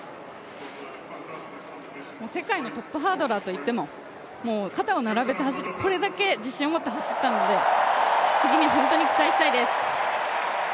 世界のトップハードラーと肩を並べて走ってこれだけ自信を持って走ったので次に本当に期待したいです。